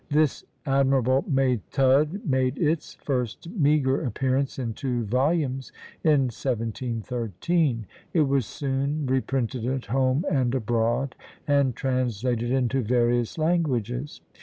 This admirable "Méthode" made its first meagre appearance in two volumes in 1713. It was soon reprinted at home and abroad, and translated into various languages.